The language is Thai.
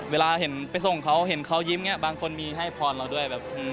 เวลาเห็นไปส่งเขาเห็นเขายิ้มอย่างนี้บางคนมีให้พรเราด้วยแบบ